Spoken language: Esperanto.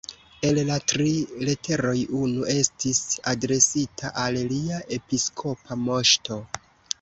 El la tri leteroj unu estis adresita al Lia Episkopa Moŝto.